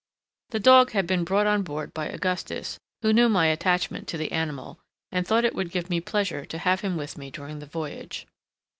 The dog had been brought on board by Augustus, who knew my attachment to the animal, and thought it would give me pleasure to have him with me during the voyage.